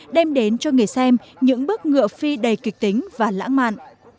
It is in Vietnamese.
đem đến cho người xem những bức ngựa phi đầy kịch tính và lãng mạn